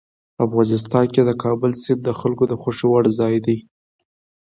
افغانستان کې د کابل سیند د خلکو د خوښې وړ ځای دی.